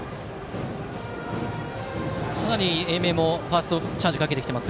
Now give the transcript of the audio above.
かなり英明もファーストにチャージをかけています。